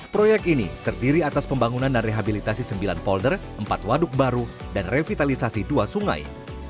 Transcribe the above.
proyek ini terdiri atas pembangunan dan rehabilitasi sembilan polder empat waduk baru dan revitalisasi dua sungai